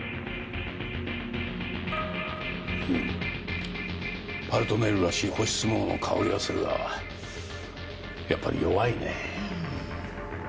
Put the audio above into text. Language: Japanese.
うん「パルトネール」らしい干しスモモの香りはするがやっぱり弱いねぇ。